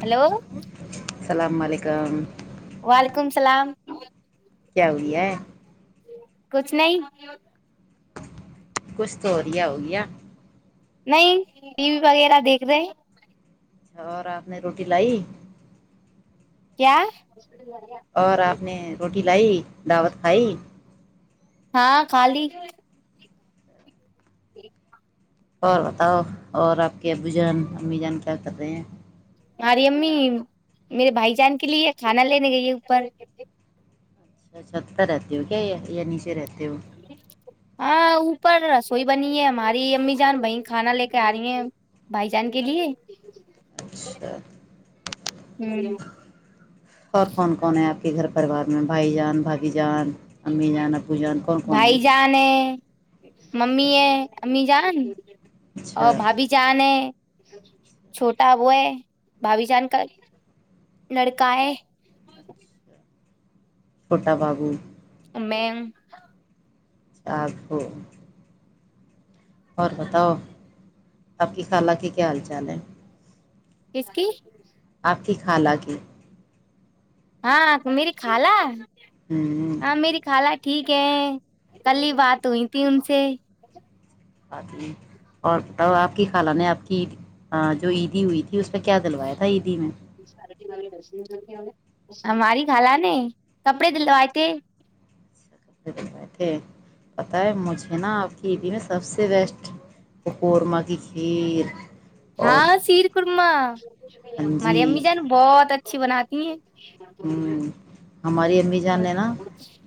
hello السلام علیکم وعلیکم اللام کیا ہو ہے کچھ نہیں کچھ تو ورییا ہوگیا نہیں ٹی وی وغیرہ دیکھ رہے اچھا اور آپ نے روٹی لائی کیا اور آپ نے روٹی لائی دعوت کھائی ہاں خالی ج اور بتاؤ اور آپ کے ا بجھان امی جانکاری کر رہے ہیں ہاری امی میرے بھائی جان کے لیے کھانا لینے گئی ہے اوپر اچھا چھت رہتی ہو کیا یا نیچے رہتے دوو ہاں اوپر رسوئی بنی ہے ہماری امی جان وہیں کھانا لے کے آ رہی ہیں بھائی جان کے لیے اچھا ہوں اور کون کون ہیں آپ کے گھر پرریوار میں بھائی جان بھاگی جان امی جان اپب بھائی جان [unintelligible] ممی ہے ہممی جان [unintelligible] ا اچھا بابی جاانے چھوٹا وہ ہے بھابھی جان کا لڑکا ہے چھوٹا بابو [unintelligible] میںگ [unintelligible] آپو [unintelligible] اور بتاؤ آپ کی خالہ کے کیا حال چال ہے کس کی آقی خھالہ کی ہاں میری خالہ [unintelligible] ہوں ہاں میری خالہ ٹھیک ہے کل ہی بات ہوئی تھی ان سے ہ جی اور بتاؤ آپ کی خالان نے آپ کی عید جو عیدی ہوئی تھی کہ اس پہ کیا دلوایا تھا عیدی میں ہماری خالہ نے کپڑے دلوائے تھے کڑے بنوائے تھے پتہ ہے مجھے نا آپ کی ای میں سب سے بیسٹ پ قورمہ کی کھیر [unintelligible] اور ہاں سیر کرما ماری امی جان بہت اچ اچھی بناتی ہیں ہ ہماری امی جان نے نا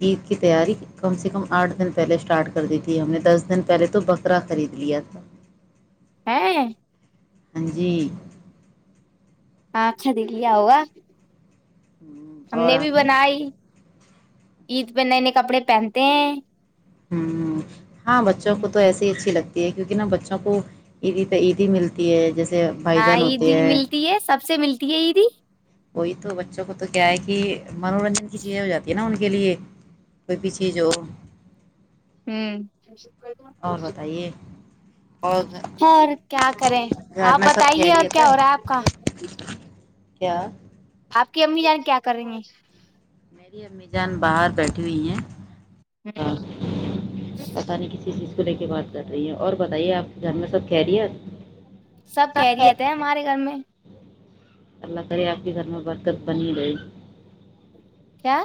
عید کت تیاری کم سے کم آٹھ دن پہلے اسٹارٹ کر دی تھی ہم نے دس دن پہلے تو بکرا خرید لیا تھا ہاں [unintelligible] ہاں جی اچھا دیک لیا ہوگا ہوں، ہم اور نے بھی آپ بنائی عید پ نئے نئے کپڑے پہنتے ہیں [unintelligible] ہاں [unintelligible] ہاں بچوں کو تو ایے ہی اچھی لگتی [unintelligible] کیونکہ نہا بچوں کو عیدی عیدی ملتی ہے جیسے بھائی ہاں جان ہوتے عیدی ہیں ملتی ہے سب سے ملتی ہے عیدی وہی تو بچوں کو تو کیا ہے کہ کہ منورنجن کی چیزیں ہو جات ہے نا ان لی کوئی پیچھے جو ہوں بتائیے اور اور کیا کریں گھر آپ میں سب بتائیے اور خیریت کیا ہو رہا ہے آپ کا کیا آپ کی امی جان کیا کر رہی ہیں میری امی جان باہر بیٹھی ہوئی ہیں ہاں پتا نہیں ک ک چیز کو لے کے بات کر رہی ہے اور بتائیے آپ کے گھر میں سب کہہ رہی سب کہہ رہیے تھے ہمارے گھر میں اللہ کرے آپ کے گھر میں برکت بن ہی رہئی کیا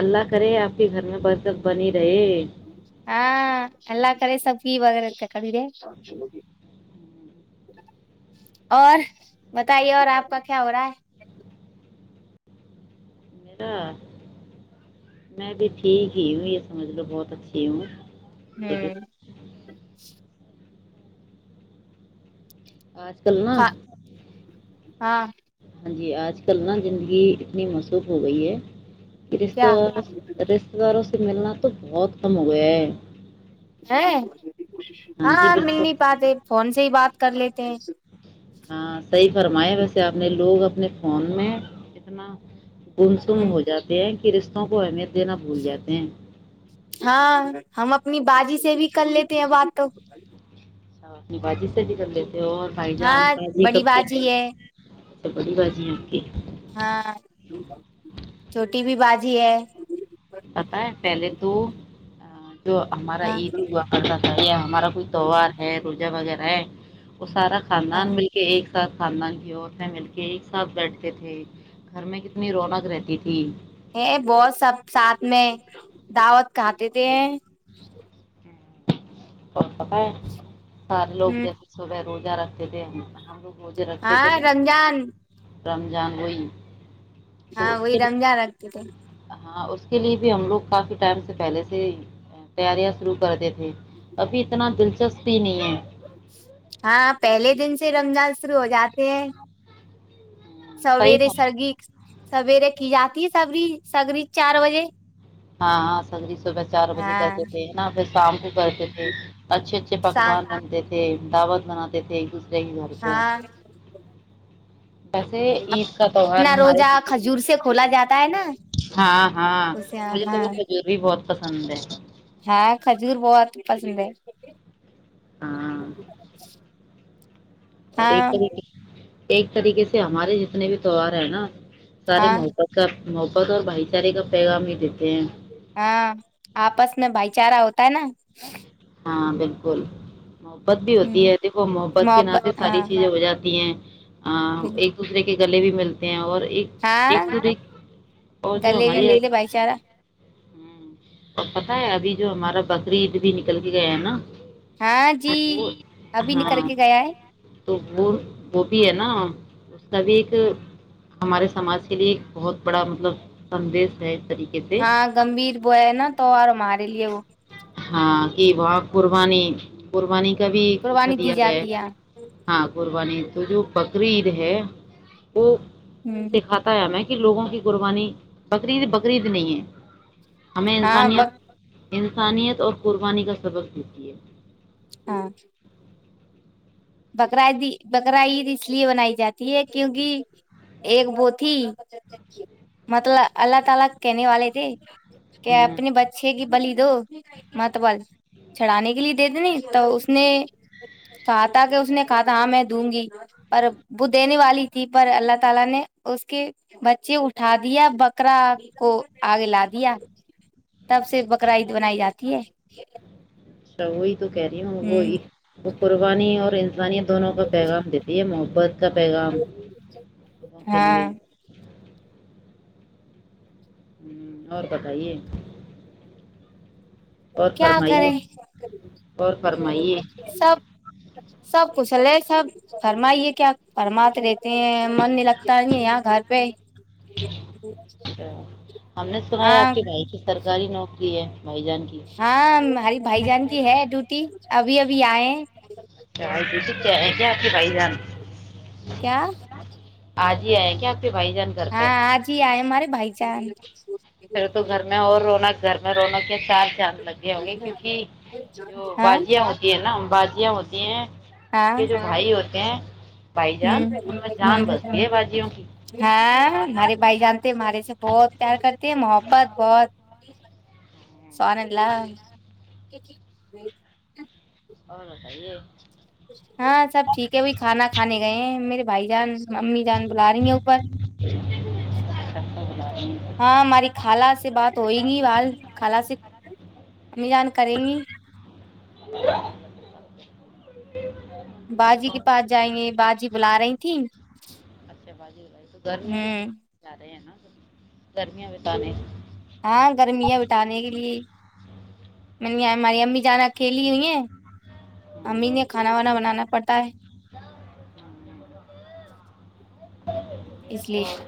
اللہ کرے آپ کے گھر میں برکت بنی رہے ہاں اللہ کر سب وغیرہ کیا خریدے اور بتائیے اور آپ کا کیا ہو رہا ہے میرا میں بھی ٹھیک ہی ہوں یہ سمجھ لو بہت اچھی ہوں لیکن ہوں آج کل نہا ہ ہاں ہاں جی آج کل نا زندگی اتنی مصوف ہو گئی ہے رشتے کیا وار رشتے داروں ملنا تو بہت کم ہو گیا ہے ہے جی ہاں مل بالکل نہیں پاتے فون سے ہی بات کر لیتے ہیں ہاں سی فرمایا ویسے آپ نے لوگ اپنے فون میں اتنا گمسن ہو جاتے ہیں رشتوں کو ہے میر دینا بھول جاتے ہیں ہاں ہم اپنی بازی سے بھی کر لیتے ہیں بات تو بجی س کر ل پائی جان ہاں بڑی کب باجی ہے بڑی بازی آکی ہاں چھوٹی بھی بازی ہے پت ہے پہلے تو تو ہمارا ہاں عید ہی ہوا کرتا تھا ہمارا کوئی تہوار ہے روزہ وغیرہ ہے وہ سارا کھد ہاں مل کے ایک ساتھ کھد اور میں مل کے ایک ساتھ بیٹھتے تھے گھر میں کتنی رونق رہتی تھی ہے بہت سب ساتھ میں دعوت کھے تھے ہیں ک پت ہے سار لوگ ہوں جیسے سو رہ روزہ رکھتے تھے ہم ہم لوگ مجھے رکھتے تھے ہاں رمضان رمضانگوئی ہاں وہی رم جان رکھتے تھے ہاں اس کے لیے بھی ہم لوگ کافی ٹائم سے پہلے سے تیاریاں شروع کر دی تھ ہی ابھی اتنا دلچسپی نہیں ہے ہاں پہلے دن سے رمضان شروع ہو جاتے ہیں سویر صحیح سگی سویرے کی جاتی ہے سبری سگری چار بجے ہاں ہاں سدری صبح چار بجے ہاں کرتے ہیں نا پھر کام بھی کرتے تھے اچھے اچھے شام پکوان آ تھ تھ دعوت بناتے تھے ج مر پ ہاں اپنا روزہ کھجور سے کھولا جاتا ہے نا ہاں ہاں اسے مجھے تو خجور بھی بہت پسند ہے ہاں کھجور بہت پسند ہے [inaudible] ہاں اور ایک ہاں ایک طریقے سے ہمارے جتنے بھی تیوار ہیں نا سارے ہاں مو پ کر محبت اور بھائی چارے کا پیغام ہی دیتے ہیں ہاں آپس میں بھائی چارہ ہوتا ہے نا ہاں بالکل محبت بھی ہوتی ہے ہ دیکھو محبت کے نا پہ ساری چیزیں ہو جاتی ہیں ہ بال ایک دوسرے کے گلے بھی ملتے ہیں اور ایک ہاں ایک دوسرے اور جو گلے بھی ہماری ملتے بھائی چارہ اب پتہ ہے ابھی جو ہمارا بکرریعید بھی نکل کے گیا ہے نا ہاں جی وہ ابھی نکل ہاں کے گیا ہے تو وہ وہ بھی ہے نا اس کا بھی ایک ہمارے سماج کے لیے ایک بہت بڑا مطلب سدیش ہے طریقے سے ہاں گمبھیر بو ہے نا تو آار مارے لیے وہ کہ و قوربانی قوربانی ک بھیھی اس میں قربانی دی دیا جاتی گیا ہے ہاں قربانی تو جو بقرعید ہے وہ ہ سکھاتا ہے میں لوگوں کی قربانی بقریید بقرعید نہیں ہے ہمیں ہاں ب انسانیت انسانیت اور قربانی کا سبق دیتی ہے ہاں بکرائے دی بکرا عید اس لیے بنائی جاتی ہے کیونکہ ایک وہ تھی مطلب اللہ تعالی کہنے والے تھے کہ ہوں اپنی بچے کی بلی دو م تو ب چڑانے کے لیے دے دین تو اس نے ساتھ تاکہ اس نے کہا تھا ہاں میں دوں گی پر ب دینے والی تھی پر اللہ تعالی نے اس کے بچے اٹھا دیا بکرا کو آگے لا دیا تب سے بکرا عید بنائی جاتی ہے اچھا وہی تو کہہ رہی ہوں ہ وہی قربانی اور انی دونوں کا پیغام دیتی ہے مو کا پیغام لوگوں کے لیے ہاں ہوں اور بتائیے اور کیا فرمائیے کریں اور فرمائیے سب سب کسلے سب فرمائیے کیا فرماتے رہتے ہیں من نہیں لگتا یہاں گھر پہ اچا ہم نے سنا ہے آپ ہاں کے بھائی کی سرکاری نوکری ہے بھائی جان کی ہاں ہماریے بھائی جان کی ہے ڈیوٹی ابھی ابھی آئے پ کیا کیا خائی جان کیا جی ہے کیا کے بھائی جان گھر پہ ہاں آج ہی آئے مے بائی ج پھر تو گھر میں اور رونا گھر میں روونوں کے چار چاند لگے ہو گے کیونکہ جو ہاں باازیا ہوتی ہے نہا بادیاں ہوتی ہیں ان ہاں کے جو بھائی ہوتے ہیں بھائی ہ جان ان میں جان بستی ہے باجیوں کی ہاں ہمارے بھائی جانتے ہمارے سے بہت پیار کرتے بس بہت [unintelligible] سونےلہ [unintelligible] [inaudible] ہ خئی [unintelligible] ہاں سب ٹھیک ہے وہی کھانا کھانے گئے ہیں میرے بھائی جان ممی جان بلا رہی ہیں اوپر ہاں ہماری خالہ سے بات ہوئے گی والال خالہ سے امی جان کریں گی کیا باجی کے پاس جائیں گے باجی بلا رہی تھی اچھا باجی تو گرمیوں بھی ہوں چھٹٹی جا رہے ہے نا سرمیا بھی ت نہیں ہاں گرمی ہے بٹانے کے لیے ہماری امی جانا اکھیلی ہوئی ہیں امی نے کھانا وانا بنانا پڑتا ہے اس لیے اور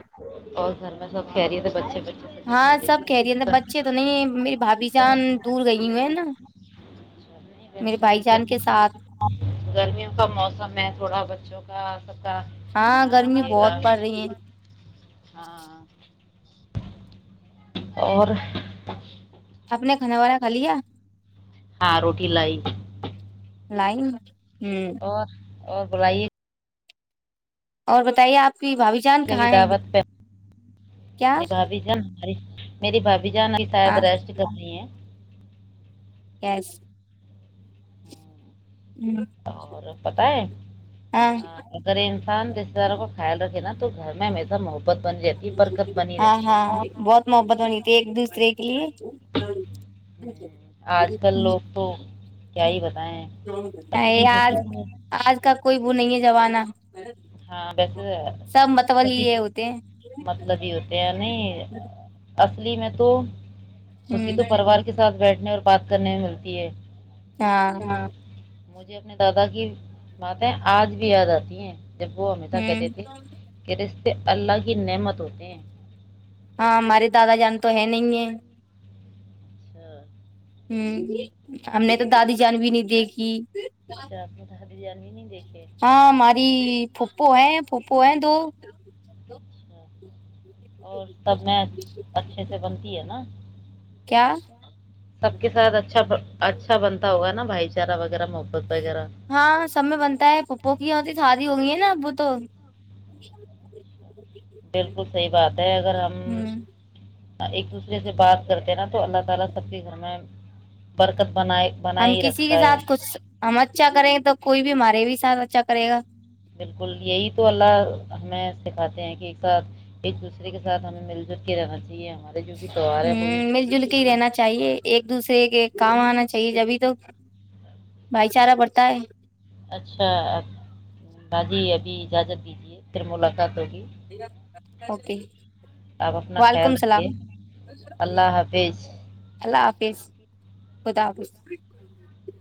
اور گھر میں سب خہری بچے بچے سبھی ہاں سب کہہ رہی خیریت ہے بچے تو نہیں میری بھاابھی جان دور گئی ہو ہے نا میرے جی بھائی جان گمی کے ساتھ گرمیوں کا موسم ہے تھوڑا ب چکات [unintelligible] ہاں گرمی ا بہت پڑ گ رہی ہے ہاں [unintelligible] اور [unintelligible] آپ نے کھانا والا کھا لیا ہاں روٹی لائی لائن [unintelligible] اور اور بلائیے اور بتائیے آپ بھاابھی جان کبھی کہاں ہے دعوت پہ کیا میری بھابھی جان میری بھائی [unintelligible] ہاں بجانلتارا اس کسنی گس اور پت ہے ہاں کریں [unintelligible] شان رشتے دار کا خیال رکھے نا تو گھر میں ہمیز م ہو ہاں ہاں بہت محبت بنی تھی ایک دوسرے کے لیے آج کل لوگ تو کیا ہی بتائیں اصلی آج خوشی آج کا کوئی وہ نہیں ہے جبانا ہاں ویسے ہی یہ ہوتے ہیں مطلبب ہی ہوتے ہیں نہیں اصلی میں تو خی تو ہ پرریوار کے ساتھ بیٹھے نے اور بات کرنے میں ملتی ہے ہاں مجھے اپنے دادا کی باتیں آج بھی یاد آتی ہیں جب وہ ہمی ت کہتے ہوں تھے کہ ر اللہ کی نمت ہوتے ہیں ہاں ہمارے دادا جان تو ہے نہیں ہے اچھا ہ بالکل ہم نے تو دادی جان بھی نہیں دیکھی اچھا آپ بریانی نہیں دیکھی ہاں ماری پھوپو ہے فوپو ہے دو اچھا اور سب مچ اچھے سے بنتی ہے نا کیا سب کے ساتھ اچھا اچھا بنتا ہوگ نا بھائی چارہ وغیرہ محبت وغیرہ ہاں سب میں بنتا ہے پپو کی ہوتی تھال ہو گی نا ابو تو بالکل صحیح بات ہے اگر ہم ہ ایک دوسرے سے بات کرتے ہیں نا تو اللہ تعالی سب کے گھر میں برکت بنائے ہم بنائے ہی کسی رکھتا کے ہے ساتھ کچھ ہم اچھا کریں گ تو کوئی بھی مار ے بھی سات اچا کرے گا بالکل یہی تو اللہ ہمیں سکھاتے ہیں کہ ایک ساتھ ایک دوسرے کے ساتھ ہمیں مل جل کے رہنا چاہیے ہمارے جو بھی تہوار ہ ہے وہ بھی مل جل کے ہی منانا رہنا چاہیے ایک دوسرے کے کام آنا چاہیے جبھی تو بھائی چارہ بڑتا ہے اچھا باجی ابھی اجازت دیجیے پھر ملاقات ہوگی اوکے آپ اپنا وعلیکم خیال السلام رکھیے اللہ حافظ اللہ حافظ خدپ [unintelligible]